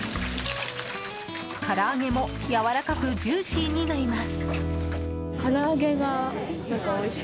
から揚げもやわらかくジューシーになります。